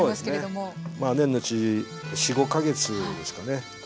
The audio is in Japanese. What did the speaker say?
そうですね年のうち４５か月ですかね。